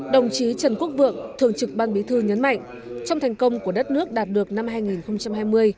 đồng chí trần quốc vượng thường trực ban bí thư nhấn mạnh trong thành công của đất nước đạt được năm hai nghìn hai mươi